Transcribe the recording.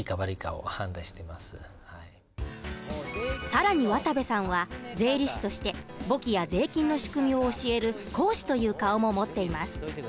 更に渡部さんは税理士として簿記や税金の仕組みを教える講師という顔も持っています。